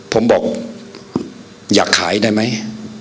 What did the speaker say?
ผมบอกอยากขายได้ไหม